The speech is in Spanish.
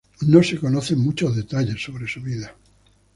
No se conocen muchos detalles sobre su vida.